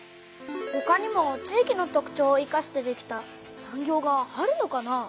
ほかにも地域の特ちょうをいかしてできた産業があるのかな？